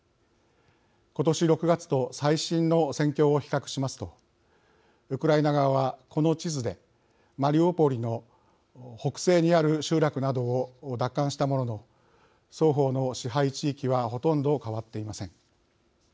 今年６月と最新の戦況を比較しますとウクライナ側は、この地図でマリウポリの北西にある集落などを奪還したものの双方の支配地域はほとんど変わっていません。